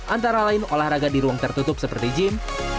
antara lain olahraga di ruang tertutup seperti gym